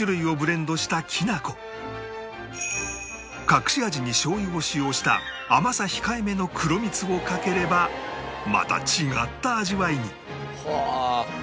隠し味にしょう油を使用した甘さ控えめの黒蜜をかければまた違った味わいにはあ！